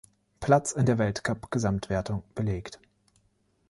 Platz in der Weltcup-Gesamtwertung belegt.